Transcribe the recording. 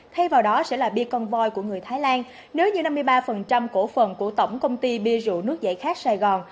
thay vào đó sẽ là bea con voi của người thái lan nếu như năm mươi ba cổ phần của tổng công ty bia rượu nước giải khát sài gòn